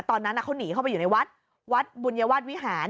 ตอนนั้นเขาหนีเข้าไปอยู่ในวัดวัดบุญวาสวิหาร